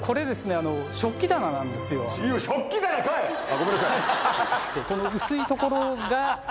ごめんなさい。